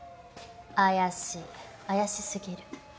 怪しい怪しすぎる。